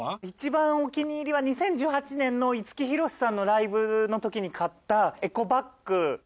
一番お気に入りは２０１８年の五木ひろしさんのライブのときに買ったエコバッグ。